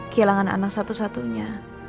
kihilangan anak satu satunya